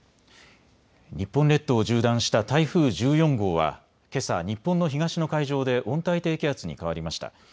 日本列島を縦断した台風１４号はけさ日本の東の海上で温帯低気圧に変わりました。